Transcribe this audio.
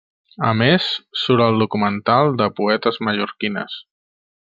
A més, surt al documental de poetes mallorquines.